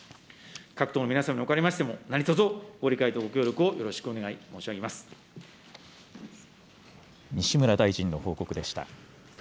各党の皆さんにおかれましても、何とぞご理解とご協力をよろしく西村大臣の報告でした。